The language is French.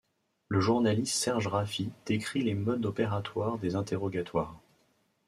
Le journaliste Serge Raffy décrit les modes opératoires des interrogatoires.